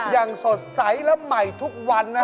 อย่างสดใสแล้วใหม่ทุกวันนะฮะ